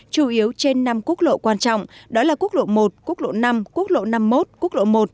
chủ yếu trên năm quốc lộ quan trọng đó là quốc lộ một quốc lộ năm quốc lộ năm mươi một quốc lộ một